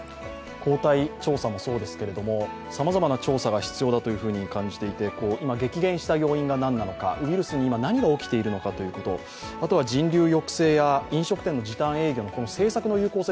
抗体調査もそうですけれどもさまざまな調査が必要だと感じていて今、激減した要因が何なのか、ウイルスに今何が起きているのか、人流抑制や飲食店の時短要請政策の有効性